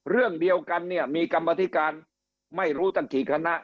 เรื่องเดียวกันเนี่ยมีกรรมธิการไม่รู้ตั้งกี่คณะ